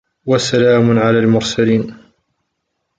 وَسَلامٌ عَلَى المُرسَلينَ